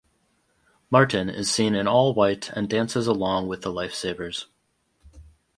Martin is seen in all white and dances along with the lifesavers.